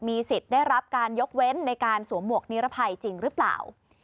สิทธิ์ได้รับการยกเว้นในการสวมหมวกนิรภัยจริงหรือเปล่า